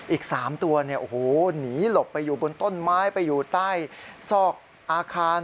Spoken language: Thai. อีก๓ตัวหนีหลบไปอยู่บนต้นไม้ไปอยู่ใต้ซอกอาคาร